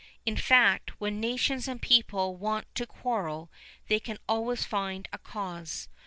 In fact, when nations and people want to quarrel, they can always find a cause.